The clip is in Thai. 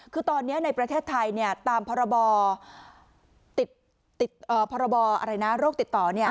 คือตอนนี้ในประเทศไทยเนี่ยตามพรบโรคติดต่อเนี่ย